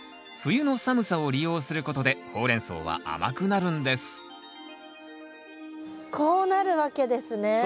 冬の寒さを利用することでホウレンソウは甘くなるんですこうなるわけですね。